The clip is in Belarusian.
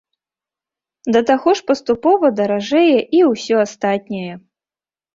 Да таго ж паступова даражэе і ўсё астатняе.